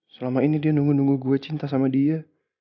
selama ini dia nunggu nunggu gue cinta sama dia